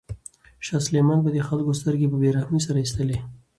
شاه سلیمان به د خلکو سترګې په بې رحمۍ سره ایستلې.